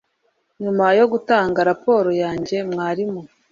Nyuma yo gutanga raporo yanjye mwarimu